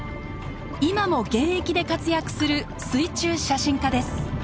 今も現役で活躍する水中写真家です。